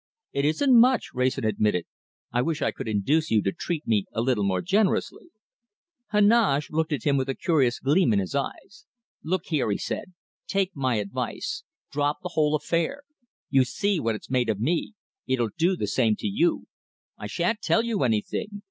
"It isn't much," Wrayson admitted. "I wish I could induce you to treat me a little more generously." Heneage looked at him with a curious gleam in his eyes. "Look here," he said. "Take my advice. Drop the whole affair. You see what it's made of me. It'll do the same to you. I shan't tell you anything!